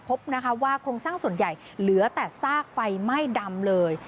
พบนะคะว่าโครงสร้างส่วนใหญ่เหลือแต่ซากไฟไหม้ดำเลย